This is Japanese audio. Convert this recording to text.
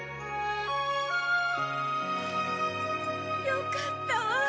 よかったわ。